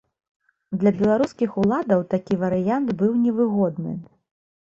Для беларускіх уладаў такі варыянт быў невыгодны.